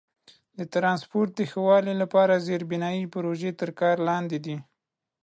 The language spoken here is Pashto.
د ترانسپورت د ښه والي لپاره زیربنایي پروژې تر کار لاندې دي.